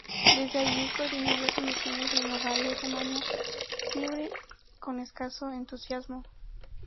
Desde allí coordinó las emisiones de una radio, Rumanía Libre, con escaso entusiasmo.